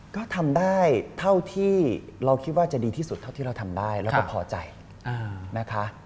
ก็ทำได้เท่าที่เราคิดว่าจะดีที่สุดเท่าที่เราทำได้แล้วก็พอใจนะคะ